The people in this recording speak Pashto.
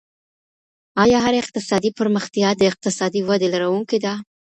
آيا هره اقتصادي پرمختيا د اقتصادي ودي لرونکې ده؟